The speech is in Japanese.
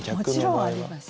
もちろんあります。